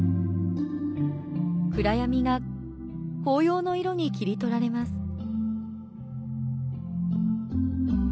暗闇が紅葉の色に切り取られます。